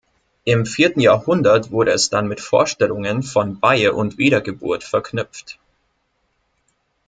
Im vierten Jahrhundert wurde es dann mit Vorstellungen von Weihe und Wiedergeburt verknüpft.